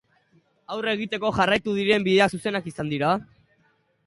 Aurre egiteko jarraitu diren bideak zuzenak izan dira?